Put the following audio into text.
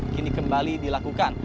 kini kembali dilakukan